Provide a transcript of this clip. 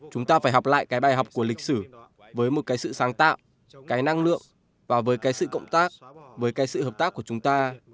chúng ta phải học lại cái bài học của lịch sử với một cái sự sáng tạo cái năng lượng và với cái sự cộng tác với cái sự hợp tác của chúng ta